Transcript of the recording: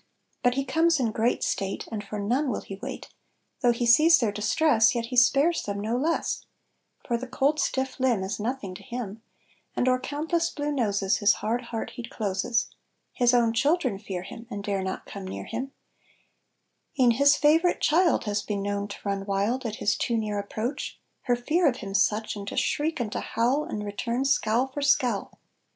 But he comes in great state, And for none will he wait, Though he sees their distress Yet he spares them no less, For the cold stiff limb Is nothing to him; And o'er countless blue noses, His hard heart he closes. His own children fear him And dare not come near him; E'en his favorite child Has been known to run wild At his too near approach, Her fear of him such, And to shriek and to howl And return scowl for scowl.